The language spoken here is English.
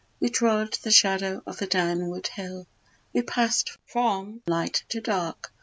We trod the shadow of the downward hill; We pass'd from light to dark.